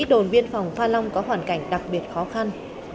đồn biên phòng pha long có hoàn cảnh đặc biệt khó khăn